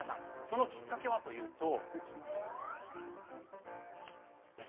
そのきっかけはというと。